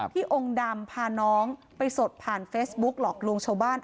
องค์ดำพาน้องไปสดผ่านเฟซบุ๊กหลอกลวงชาวบ้าน